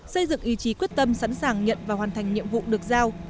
xây dựng ý chí quyết tâm sẵn sàng nhận và hoàn thành nhiệm vụ được giao